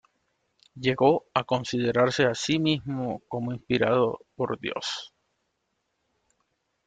Llegó a considerarse a sí mismo como inspirado por Dios.